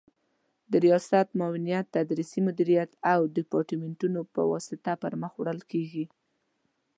د ریاست، معاونیت، تدریسي مدیریت او دیپارتمنتونو په واسطه پر مخ وړل کیږي